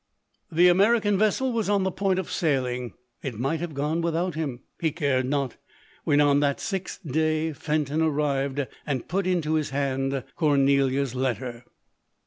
The American vessel was on the point of sail ing — it might have gone without him, he cared not; when on the sixth day Fenton arrived, and put into his hand Cornelia's letter.